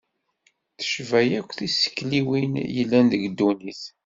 Tecba akk tisekliwin yellan deg ddunit.